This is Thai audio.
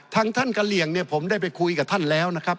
ท่านกะเหลี่ยงเนี่ยผมได้ไปคุยกับท่านแล้วนะครับ